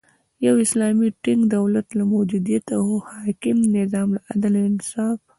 د یو اسلامی ټینګ دولت له موجودیت او د حاکم نظام له عدل، انصاف